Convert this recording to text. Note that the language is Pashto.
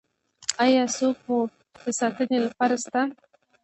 ایا څوک مو د ساتنې لپاره شته؟